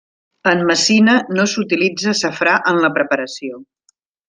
En Messina no s'utilitza safrà en la preparació.